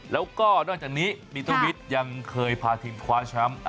แล้วก็นอกจากนี้ปิเตอร์วิทยังเคยพาทีมคว้าช้ำ